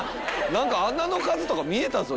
何か穴の数とか見えたぞ